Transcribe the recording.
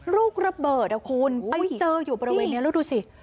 ลูกระเบิดอ่ะคุณไปเจออยู่บริเวณนี้แล้วดูสิ